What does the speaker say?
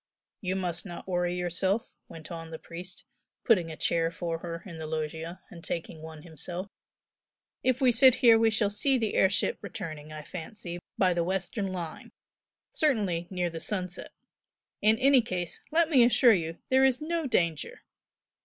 "You must not worry yourself," went on the priest, putting a chair for her in the loggia, and taking one himself "If we sit here we shall see the air ship returning, I fancy, by the western line, certainly near the sunset. In any case let me assure you there is no danger!"